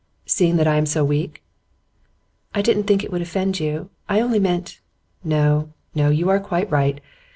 'Seeing that I am so weak?' 'I didn't think it would offend you. I only meant ' 'No, no; you are quite right.